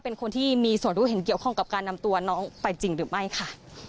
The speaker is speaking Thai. เป็นคนที่มีส่วนรู้เห็นเกี่ยวข้องกับการนำตัวน้องไปจริงหรือไม่ค่ะ